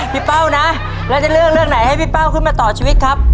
เป้านะแล้วจะเลือกเรื่องไหนให้พี่เป้าขึ้นมาต่อชีวิตครับ